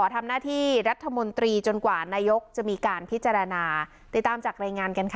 ทำหน้าที่รัฐมนตรีจนกว่านายกจะมีการพิจารณาติดตามจากรายงานกันค่ะ